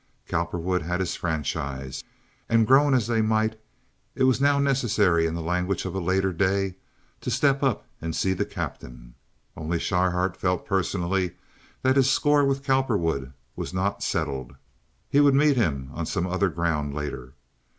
Cowperwood had his franchise, and, groan as they might, it was now necessary, in the language of a later day, "to step up and see the captain." Only Schryhart felt personally that his score with Cowperwood was not settled. He would meet him on some other ground later.